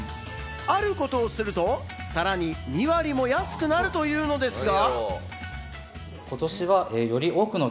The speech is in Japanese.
あることをすると、さらに２割も安くなるというのですが。